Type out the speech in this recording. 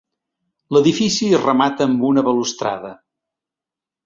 L'edifici es remata amb una balustrada.